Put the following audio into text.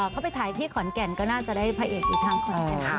เขาไปถ่ายที่ขอนแก่นก็น่าจะได้ภายเอกอีกทางขอนแก่น